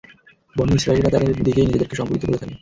বনী ইসরাঈলীরা তার দিকেই নিজেদেরকে সম্পর্কিত করে থাকে।